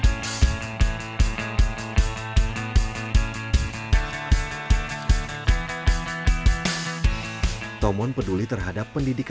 hidup pokoknya terbilang di sekolahtaa karantina ikl eliza